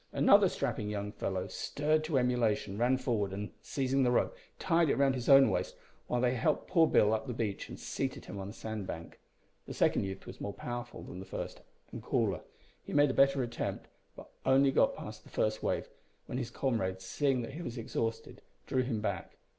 Another strapping young fellow, stirred to emulation, ran forward, and, seizing the rope, tied it round his own waist, while they helped poor Bill up the beach and seated him on a sand bank. The second youth was more powerful than the first and cooler. He made a better attempt, but only got past the first wave, when his comrades, seeing that he was exhausted, drew him back.